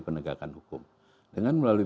penegakan hukum dengan melalui